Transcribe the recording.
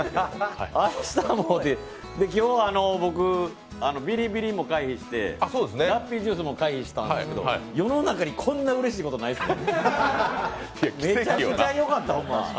明日もって、今日僕ビリビリも回避してラッピージュースも回避したんですけど、世の中に、こんなうれしいことないですね。